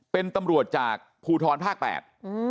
เป็นตำรวจจากผู้ทรภาคแปด